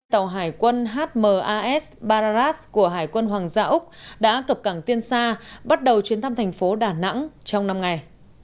tàu hải quân hmas baras của hải quân hoàng gia úc đã cập cảng tiên sa bắt đầu chuyến thăm thành phố đà nẵng trong năm ngày